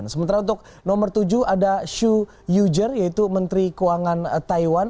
sementara untuk nomor tujuh ada shu yuger yaitu menteri keuangan taiwan